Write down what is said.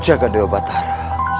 jaga dewa batara